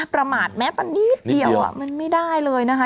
ประมาทแม้แต่นิดเดียวมันไม่ได้เลยนะคะ